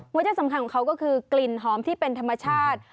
ที่สำคัญของเขาก็คือกลิ่นหอมที่เป็นธรรมชาติ